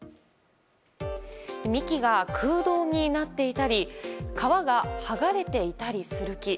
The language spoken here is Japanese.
幹が空洞になっていたり皮が剥がれていたりする木。